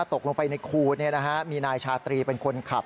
ตกลงไปในคูมีนายชาตรีเป็นคนขับ